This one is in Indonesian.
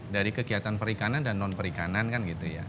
dari kegiatan perikanan dan non perikanan kan gitu ya